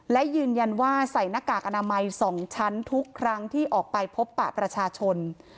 และยืนยันว่าใส่หน้ากากอนามัย๒ชั้นทุกครั้งที่ออกไปพบปะประชาชน